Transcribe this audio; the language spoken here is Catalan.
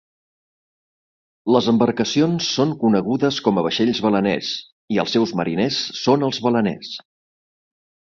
Les embarcacions són conegudes com a vaixells baleners i els seus mariners són els baleners.